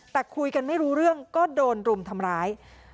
แต่คุยกันไม่รู้เรื่องก็โดนรุมทำร้าย